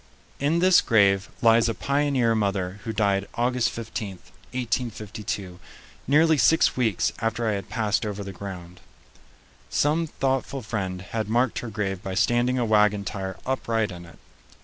In this grave lies a pioneer mother who died August 15, 1852, nearly six weeks after I had passed over the ground. Some thoughtful friend had marked her grave by standing a wagon tire upright in it.